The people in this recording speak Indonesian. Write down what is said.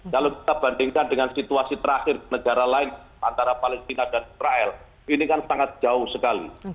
kalau kita bandingkan dengan situasi terakhir negara lain antara palestina dan israel ini kan sangat jauh sekali